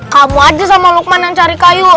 kamu aja sama lukman yang cari kayu